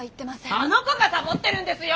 あの子がサボってるんですよ！